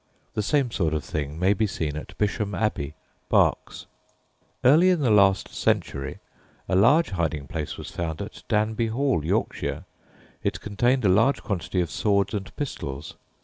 The same sort of thing may be seen at Bisham Abbey, Berks. Early in the last century a large hiding place was found at Danby Hall, Yorkshire. It contained a large quantity of swords and pistols.